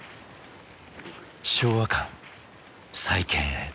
昭和館再建へ。